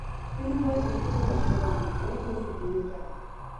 فلم باید د ټولو لپاره وي، نه یوازې د یوې ډلې